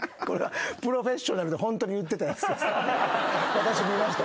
私見ました。